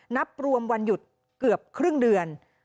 นับรวมวันหยุดเกือบครึ่งเดือน